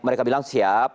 mereka bilang siap